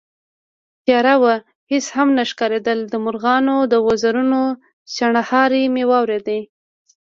تياره وه، هېڅ هم نه ښکارېدل، د مرغانو د وزرونو شڼهاری مې واورېد